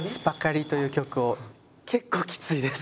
結構きついです。